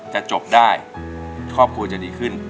จะจบได้ครอบครัวจะดีขึ้น